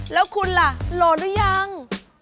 แล้วคุณล่ะโหลดหรือยัง